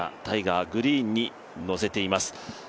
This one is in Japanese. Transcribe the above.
タイガー、グリーンに乗せています